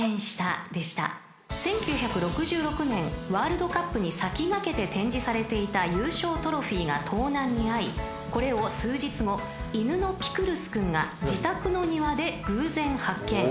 ［１９６６年ワールドカップに先駆けて展示されていた優勝トロフィーが盗難に遭いこれを数日後犬のピクルス君が自宅の庭で偶然発見］